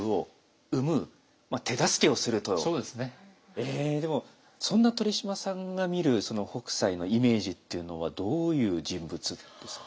えでもそんな鳥嶋さんが見る北斎のイメージっていうのはどういう人物ですか？